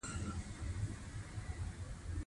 تعلیمي نثر د نثر یو ډول دﺉ.